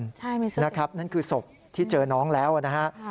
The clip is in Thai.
ใช่มีเสื้อสีน้ำเงินนะครับนั่นคือศพที่เจอน้องแล้วนะฮะ